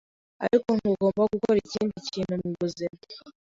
Ariko ntugomba gukora ikindi kintu mubuzima,